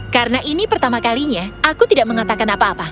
karena ini pertama kalinya aku tidak mengatakan apa apa